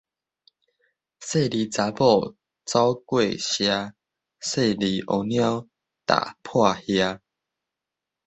細膩查某走過社，細膩烏貓踏破瓦